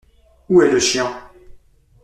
Où est le chien ?